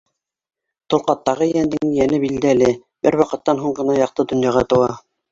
Толҡаттағы йәндең йәне билдәле бер ваҡыттан һуң ғына яҡты донъяға тыуа.